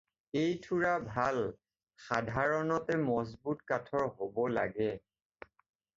এই থোৰা ডাল সাধাৰণতে মজবুত কাঠৰ হ'ব লাগে।